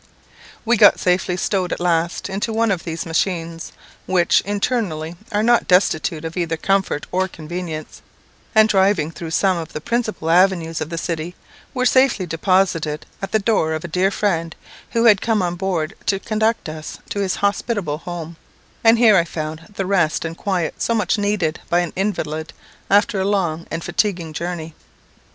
We got safely stowed at last into one of these machines, which, internally, are not destitute of either comfort or convenience; and driving through some of the principal avenues of the city, were safely deposited at the door of a dear friend, who had come on board to conduct us to his hospitable home; and here I found the rest and quiet so much needed by an invalid after a long and fatiguing journey.